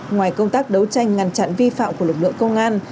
ngoài công tác đấu tranh ngăn chặn vi phạm của lực lượng công an